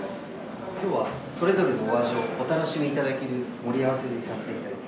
今日はそれぞれのお味をお楽しみいただける盛り合わせにさせていただき。